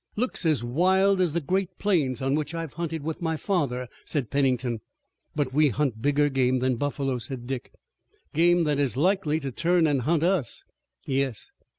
"Looks as wild as the great plains on which I've hunted with my father," said Pennington. "But we hunt bigger game than buffalo," said Dick. "Game that is likely to turn and hunt us." "Yes."